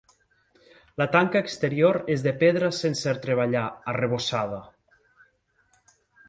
La tanca exterior és de pedra sense treballar arrebossada.